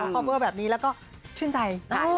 คอมเวอร์แบบนี้แล้วก็ชื่นใจ